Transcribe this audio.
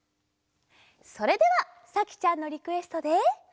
それではさきちゃんのリクエストで。